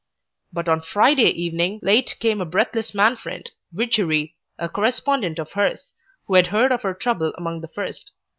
But on Friday evening late came a breathless Man Friend, Widgery, a correspondent of hers, who had heard of her trouble among the first.